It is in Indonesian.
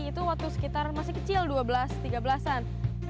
itu waktu sekitar masih kecil dua belas tiga belas an